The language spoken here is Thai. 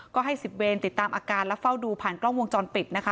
ก็ให้๑๐เวรติดตามอาการและเฝ้าดูผ่านกล้องวงจรปิดนะคะ